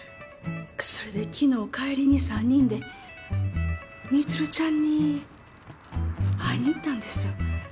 それで昨日帰りに３人で充ちゃんに会いに行ったんです。